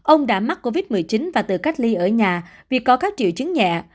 ông đã mắc covid một mươi chín và tự cách ly ở nhà vì có các triệu chứng nhẹ